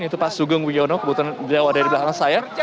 itu pak sugeng wiyono keputusan jawa dari belakang saya